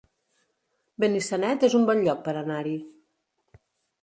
Benissanet es un bon lloc per anar-hi